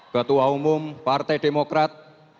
ketua umum partai demokrat